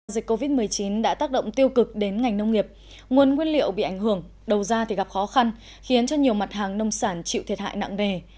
dịch covid một mươi chín đã tác động tiêu cực đến ngành nông nghiệp nguồn nguyên liệu bị ảnh hưởng đầu ra thì gặp khó khăn khiến cho nhiều mặt hàng nông sản chịu thiệt hại nặng nề